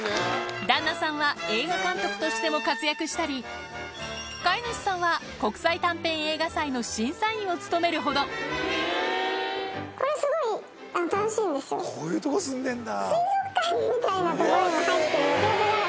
旦那さんは映画監督としても活躍したり飼い主さんは国際短編映画祭の審査員を務めるほどこういうとこ住んでんだ。